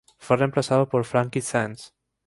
Fue reemplazado por Frankie Saenz.